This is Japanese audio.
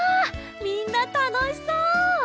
みんなたのしそう！